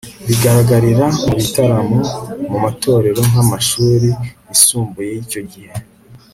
bikagaragarira mu bitaramo, mu matorero nk'amashuri y'isumbuye y'icyo gihe